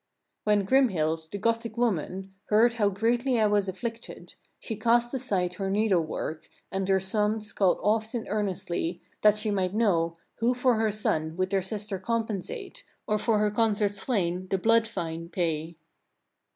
17. When Grimhild, the Gothic woman, heard how greatly I was afflicted, she cast aside her needle work, and her sons called oft and earnestly, that she might know, who for her son would their sister compensate, or for her consort slain the blood fine pay?